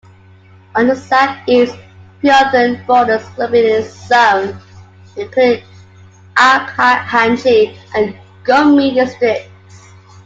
On the southeast Pyuthan borders "Lumbini Zone" including "Arghakhanchi" and "Gulmi districts".